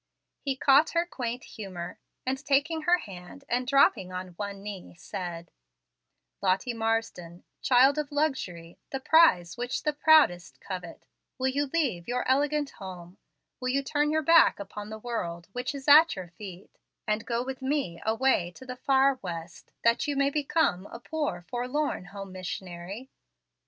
He caught her quaint humor, and, taking her hand and dropping on one knee, said: "Lottie Marsden, child of luxury, the prize which the proudest covet, will you leave your elegant home, will you turn your back upon the world which is at your feet, and go with me away to the far West, that you may become a poor, forlorn home missionary?"